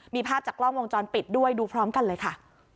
มีภาพจากกล้องวงจรปิดด้วยดูพร้อมกันเลยค่ะ